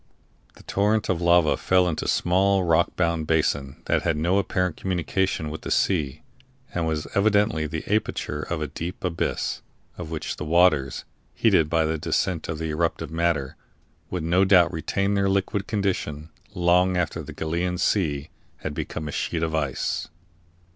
The torrent of lava fell into a small rock bound basin that had no apparent communication with the sea, and was evidently the aperture of a deep abyss, of which the waters, heated by the descent of the eruptive matter, would no doubt retain their liquid condition long after the Gallian Sea had become a sheet of ice.